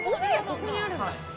ここにあるんだ。